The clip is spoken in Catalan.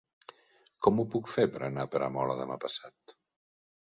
Com ho puc fer per anar a Peramola demà passat?